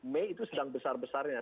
mei itu sedang besar besarnya